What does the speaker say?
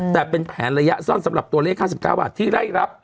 แต่เป็นแผนระยะสั้นสำหรับตัวเลข๕๙บาทที่ไล่รับ